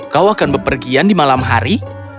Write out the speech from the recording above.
kau akan berpergian di malam hari